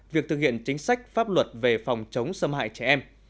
việc thực hiện chính sách pháp luật về phòng chống xâm hại trẻ em